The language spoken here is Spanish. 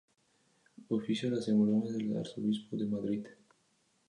Ofició la ceremonia el arzobispo de Madrid.